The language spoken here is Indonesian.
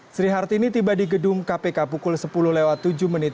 sri hartini tiba di gedung kpk pukul sepuluh lewat tujuh menit